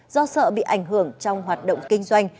do sợ bị ảnh hưởng trong hoạt động kinh doanh